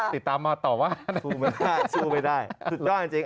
ติดตามมาต่อว่าสู้ไม่ได้สู้ไม่ได้สู้ไม่ได้สู้จ้าจริง